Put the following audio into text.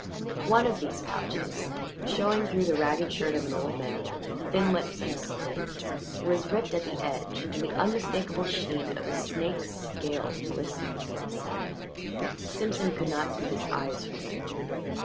One of these pouches, showing through the ragged shirt of an old man with thin lips and a squint, was ripped at the edge, and the unmistakable sheen of a snake's scale glistened in the seam. Simpson could not keep his eyes from it.